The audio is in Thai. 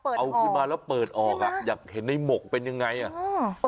เอาขึ้นมาแล้วเปิดออกอ่ะอยากเห็นในหมกเป็นยังไงอ่ะ